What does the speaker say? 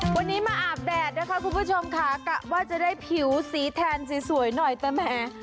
วันนี้มาอาบแดดนะคะคุณผู้ชมค่ะกะว่าจะได้ผิวสีแทนสวยหน่อยแต่แหม